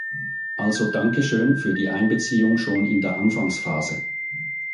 Also Dankeschön für die Einbeziehung schon in der Anfangsphase.